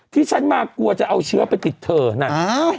ที่ฉันมากลัวจะเอาเชื้อไปติดเธอน่ะ